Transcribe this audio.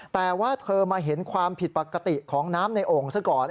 แต่ว่าเธอมาเห็นความผิดปกติของน้ำในโอ่งซะก่อน